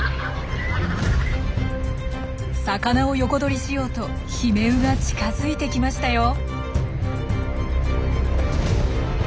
魚を横取りしようとヒメウが近づいてきましたよ。